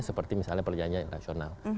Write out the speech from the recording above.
seperti misalnya perjanjian yang rasional